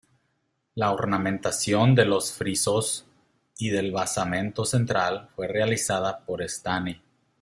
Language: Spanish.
La ornamentación de los frisos y del basamento central fue realizada por Estany.